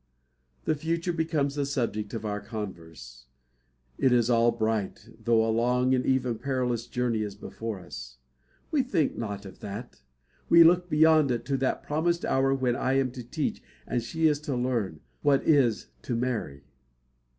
The future becomes the subject of our converse. It is all bright, though a long and even perilous journey is before us. We think not of that. We look beyond it to that promised hour when I am to teach, and she is to learn, what is "to marry."